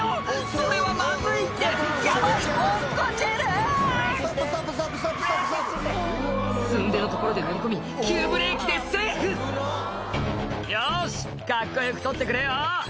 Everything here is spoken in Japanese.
⁉それはまずいってヤバい落っこちるすんでのところで乗り込み急ブレーキでセーフ「よしカッコよく撮ってくれよ」